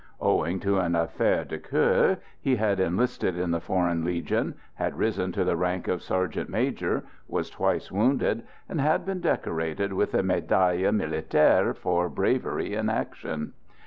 Owing to an affaire de coeur, he had enlisted in the Foreign Legion, had risen to the rank of sergeant major, was twice wounded, and had been decorated with the médaille militaire for bravery in action.